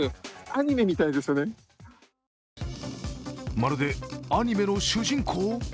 まるでアニメの主人公？